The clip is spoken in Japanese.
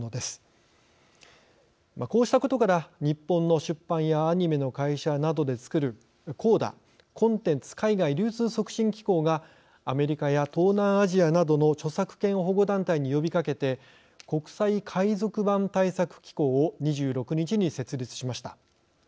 こうしたことから日本の出版やアニメの会社などでつくるＣＯＤＡ＝コンテンツ海外流通促進機構がアメリカや東南アジアなどの著作権保護団体に呼びかけて国際海賊版対策機構を２６日に設立しました。